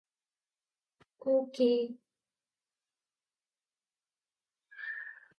A club statement declared his departure was by mutual consent because of irreconcilable differences.